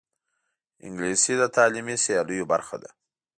انګلیسي د تعلیمي سیالیو برخه ده